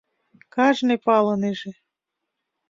Кажне палынеже.